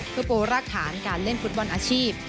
เพื่อโปรรากฐานการเล่นฟุตบอลอาชีพ